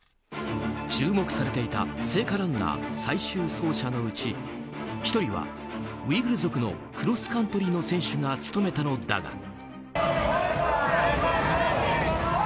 注目されていた聖火ランナー最終走者のうち１人はウイグル族のクロスカントリーの選手が務めたのだが。